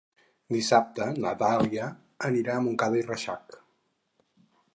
Dissabte na Dàlia anirà a Montcada i Reixac.